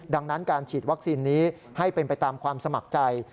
ดังนั้นการฉีดวัคซีนนี้ให้เป็นไปตามความสมัครใจ